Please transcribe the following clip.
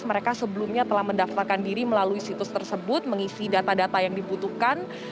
mereka sebelumnya telah mendaftarkan diri melalui situs tersebut mengisi data data yang dibutuhkan